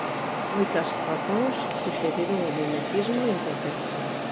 Moitas razóns suxeriron o mimetismo imperfecto.